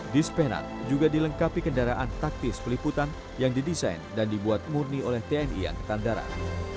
dispenat juga dilengkapi kendaraan taktis peliputan yang didesain dan dibuat murni oleh tni angkatan darat